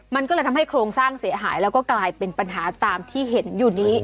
มันก็เลยทำให้โครงสร้างเสียหายแล้วก็กลายเป็นปัญหาตามที่เห็นอยู่นี้